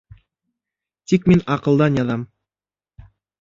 Тик мин аҡылдан яҙам.